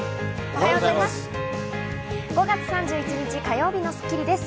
おはようございます。